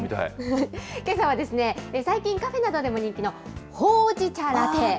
けさはですね、最近カフェなどでも人気のほうじ茶ラテ。